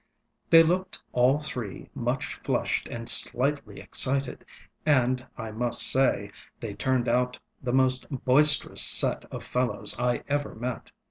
They looked all three much flushed and slightly excited, and, I must say, they turned out the most boisterous set of fellows I ever met.